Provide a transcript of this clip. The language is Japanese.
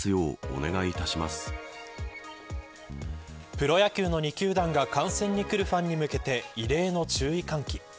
プロ野球の２球団が観戦に来るファンに向けて異例の注意喚起。